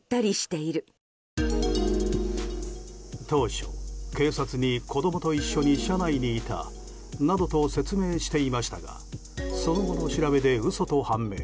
当初、警察に子供と一緒に車内にいたなどと説明していましたがその後の調べで嘘と判明。